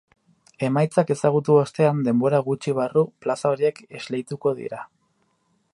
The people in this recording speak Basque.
Emaitzak ezagutu ostean, denbora gutxi barru, plaza horiek esleituko dira.